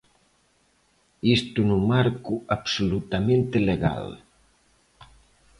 Isto no marco absolutamente legal.